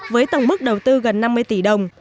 với tổng mức đầu tư gần năm mươi tỷ đồng